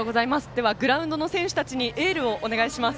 では、グラウンドの選手たちにエールをお願いします。